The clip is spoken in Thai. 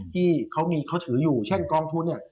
ที่เขาถืออยู่เช่นกองทุนเนี่ย